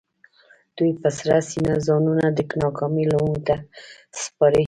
دوی په سړه سينه ځانونه د ناکامۍ لومو ته سپاري.